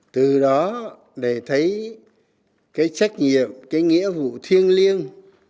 từ đó để thấy cái trách nhiệm cái nghĩa vụ thiêng liêng